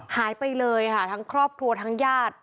หายไปเลยค่ะทั้งครอบครัวทั้งญาติ